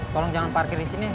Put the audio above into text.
tolong jangan parkir disini